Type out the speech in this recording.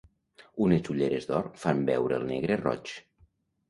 Unes ulleres d'or fan veure el negre roig.